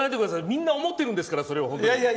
みんな思ってるんですからそれは。